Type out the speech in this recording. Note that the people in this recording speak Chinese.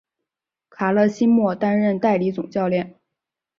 卡勒西莫担任代理总教练。